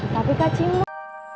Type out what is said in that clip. tapi kak cimot